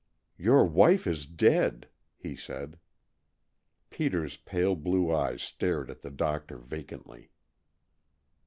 "Your wife is dead," he said. Peter's pale blue eyes stared at the doctor vacantly.